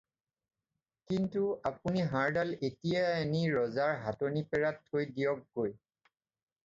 কিন্তু আপুনি হাৰডাল এতিয়াই আনি ৰজাৰ হাতনিপেৰাত থৈ দিয়কগৈ।